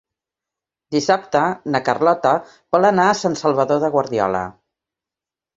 Dissabte na Carlota vol anar a Sant Salvador de Guardiola.